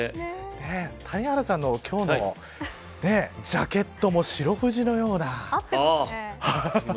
谷原さんの今日のジャケットも白藤のような。